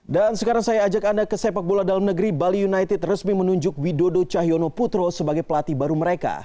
dan sekarang saya ajak anda ke sepak bola dalam negeri bali united resmi menunjuk widodo cahyono putro sebagai pelatih baru mereka